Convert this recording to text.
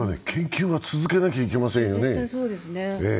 研究は続けなきゃいけませんよね。